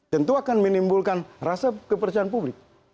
tentu akan menimbulkan rasa kepercayaan publik